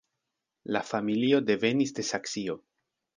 La familio devenis de Saksio.